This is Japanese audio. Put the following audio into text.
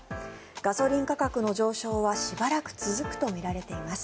ガソリン価格の上昇はしばらく続くとみられています。